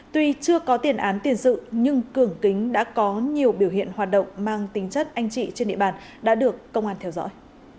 tuy chưa có tiền án tiền sự nhưng cường kính đã có nhiều biểu hiện hoạt động mang tính chất anh chị trên địa bàn đã được công an theo dõi